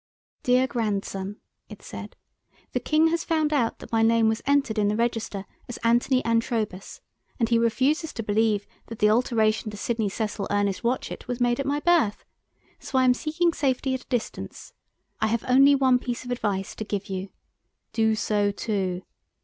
"Dear grandson," it said, "the King has found out that my name was entered in the register as Anthony Antrobus, and he refuses to believe that the alteration to Sydney Cecil Ernest Watchett was made at my birth. So I am seeking safety at a distance. I have only one piece of advice to give you. _Do so too.